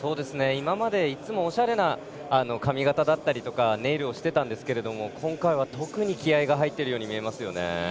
今までいつもおしゃれな髪形だったりネイルをしていたんですけども今回は特に気合いが入っているように見えます。